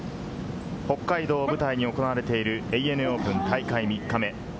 北海道を舞台に行われているＡＮＡオープン大会３日目。